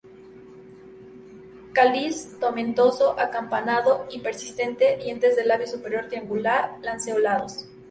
Cáliz tomentoso, acampanado y persistente; dientes del labio superior triangular-lanceolados.